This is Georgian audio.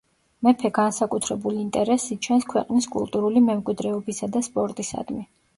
მეფე განსაკუთრებულ ინტერესს იჩენს ქვეყნის კულტურული მემკვიდრეობისა და სპორტისადმი.